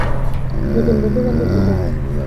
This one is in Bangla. নতুন বন্ধু-বান্ধব জুটাও।